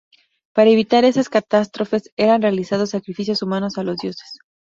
Para evitar esas catástrofes eran realizados sacrificios humanos a los dioses.